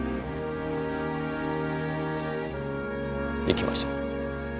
行きましょう。